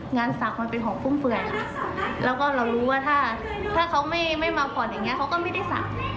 ศักดิ์มันเป็นของฟุ่มเฟื่อยแล้วก็เรารู้ว่าถ้าเขาไม่มาผ่อนอย่างนี้เขาก็ไม่ได้ศักดิ์